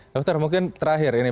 dokter mungkin terakhir ini